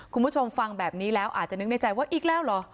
คุณผู้ชมฟังแบบนี้แล้วอาจจะนึกในใจว่าอีกแล้วเหรอ